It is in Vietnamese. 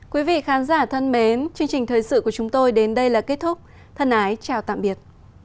quý vị khán giả thân mến chương trình thời sự của chúng tôi đến đây là kết thúc thân ái chào tạm biệt